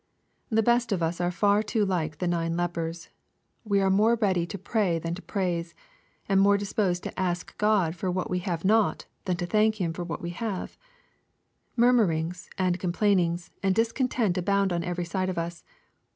The best of us are far too like the nine lepers. We are more ready to pray than to praise, and more disposed to ask God for what we have not, than to thank Him for what we have. Murmurlngs, and com plainings, and discontent abound on every side of us.